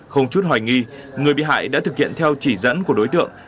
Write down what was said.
không chút hoài nghi người bị hại đã thực hiện theo chỉ dẫn của đối tượng